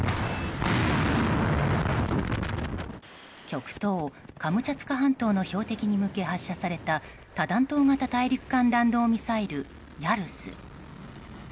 極東カムチャツカ半島の標的に向け発射された多弾頭型大陸間弾道ミサイルヤルス。